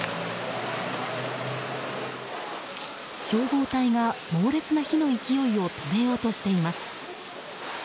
消防隊が猛烈な火の勢いを止めようとしています。